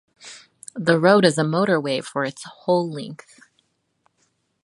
The road is a motorway for its whole length.